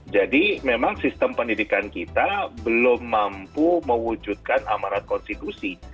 jadi memang sistem pendidikan kita belum mampu mewujudkan amarat konstitusi